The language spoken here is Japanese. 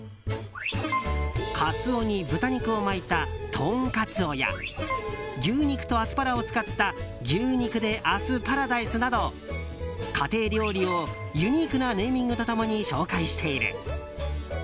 カツオに豚肉を巻いたトンカツオや牛肉とアスパラを使った牛肉で明日パラダイスなど家庭料理を、ユニークなネーミングと共に紹介している。